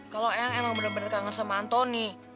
kalau eyang emang bener bener kangen sama antoni